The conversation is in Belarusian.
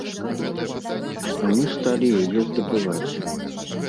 А мы сталі яе здабываць.